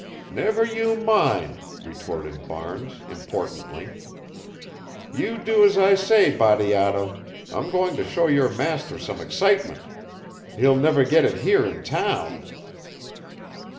"Never you mind," retorted Barnes, importantly; "you do as I say, Bateato I'm going to show your master some excitement. He'll never get it here in town."